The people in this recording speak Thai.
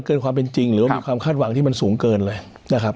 เกินความเป็นจริงหรือว่ามีความคาดหวังที่มันสูงเกินเลยนะครับ